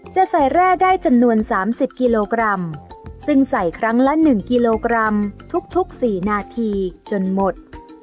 จะใส่แร่ได้จำนวน๓๐กิโลกรัมซึ่งใส่ครั้งละ๑กิโลกรัมทุก๔นาทีจนหมด